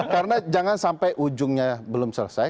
karena jangan sampai ujungnya belum selesai